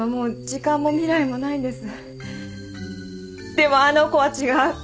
でもあの子は違う！